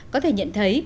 có thể nhận thấy